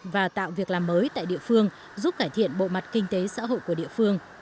và tạo việc làm mới tại địa phương giúp cải thiện bộ mặt kinh tế xã hội của địa phương